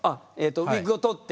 ウィッグを取って？